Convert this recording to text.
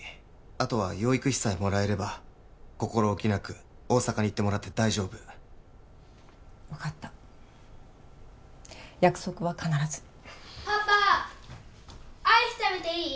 あとは養育費さえもらえれば心置きなく大阪に行ってもらって大丈夫分かった約束は必ずパパアイス食べていい？